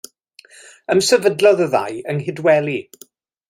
Ymsefydlodd y ddau yng Nghydweli.